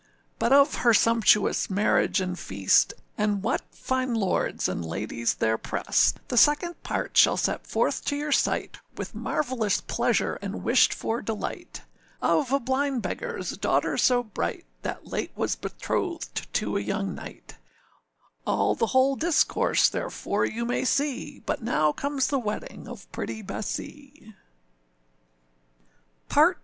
But of her sumptuous marriage and feast, And what fine lords and ladies there prest, The second part shall set forth to your sight, With marvellous pleasure and wished for delight. Of a blind beggarâs daughter so bright, That late was betrothed to a young knight, All the whole discourse therefore you may see; But now comes the wedding of pretty Bessee. PART II.